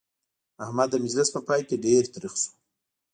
احمد د مجلس په پای کې ډېر تريخ شو.